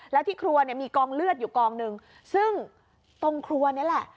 แล้วที่ครัวเนี่ยมีกองเลือดอยู่กองหนึ่งซึ่งตรงครัวนี่แหละ